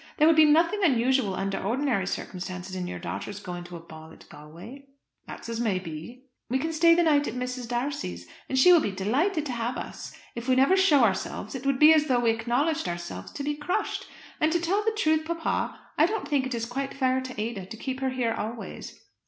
There would be nothing unusual under ordinary circumstances in your daughters going to a ball at Galway." "That's as may be." "We can stay the night at Mrs. D'Arcy's, and she will be delighted to have us. If we never show ourselves it would be as though we acknowledged ourselves to be crushed. And to tell the truth, papa, I don't think it is quite fair to Ada to keep her here always.